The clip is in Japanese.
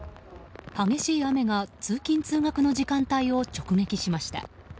激しい雨が通勤・通学の時間帯を直撃しました。